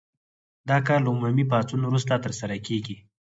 دا کار له عمومي پاڅون وروسته ترسره کیږي.